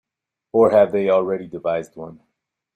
Or have they already devised one.